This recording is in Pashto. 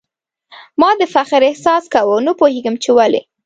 ما د فخر احساس کاوه ، نه پوهېږم چي ولي ؟